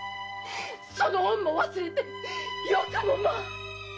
その恩も忘れてよくもまぁ。